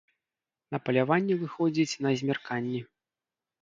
На паляванне выходзіць на змярканні.